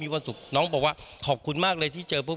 จัดลองกลับเอก